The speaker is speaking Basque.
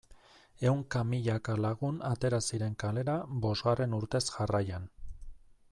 Ehunka milaka lagun atera ziren kalera bosgarren urtez jarraian.